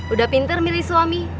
udah pinter milih suami